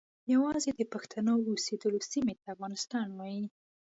یوازې د پښتنو د اوسیدلو سیمې ته افغانستان وایي.